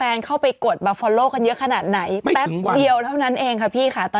โอเคพักก่อนนะฮะเดี๋ยวกลับมา